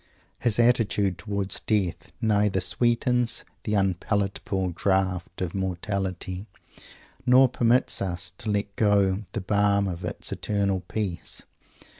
His attitude towards death neither sweetens "the unpalatable draught of mortality" nor permits us to let go the balm of its "eternal peace."